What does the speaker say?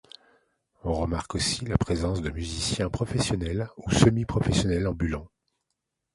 On remarque aussi la présence de musiciens professionnels ou semi-professionnels ambulants.